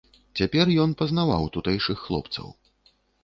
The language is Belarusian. Цяпер ён пазнаваў тутэйшых хлопцаў.